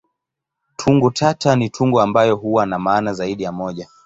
Tungo tata ni tungo ambayo huwa na maana zaidi ya moja.